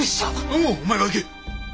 おうお前が行け。